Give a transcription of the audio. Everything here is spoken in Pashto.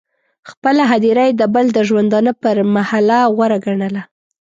خپله هدیره یې د بل د ژوندانه پر محله غوره ګڼله.